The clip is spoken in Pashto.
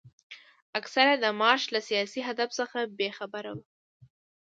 اکثره یې د مارش له سیاسي هدف څخه بې خبره وو.